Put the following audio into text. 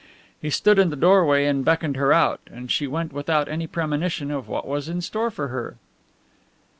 He stood in the doorway and beckoned her out, and she went without any premonition of what was in store for her.